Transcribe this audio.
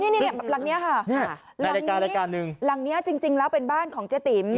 หลังนี้ค่ะหลังนี้จริงแล้วเป็นบ้านของเจ๊ติ๋ม